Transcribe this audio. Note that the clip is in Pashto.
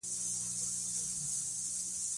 ازادي راډیو د د بشري حقونو نقض وضعیت انځور کړی.